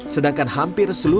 sedangkan hampir seluruh